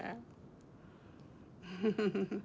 ウフフフ。